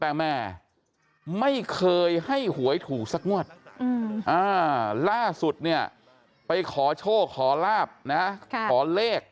แต่แม่ไม่เคยให้หวยถูกสักงวดล่าสุดเนี่ยไปขอโชคขอลาบนะขอเลข